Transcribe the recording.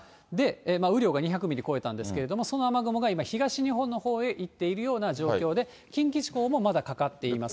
雨量が２００ミリ超えたんですけれども、その雨雲が今、東日本の方へ行っているような状況で、近畿地方もまだかかっています。